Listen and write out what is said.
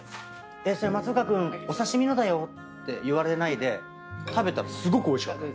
「それ松岡君お刺し身のだよ」って言われないで食べたらすごくおいしかったの。